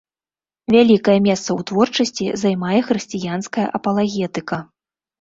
Вялікае месца ў творчасці займае хрысціянская апалагетыка.